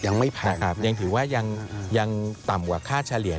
ยังถือว่ายังต่ำกว่าค่าเฉลี่ย